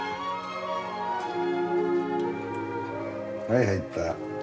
はい入った。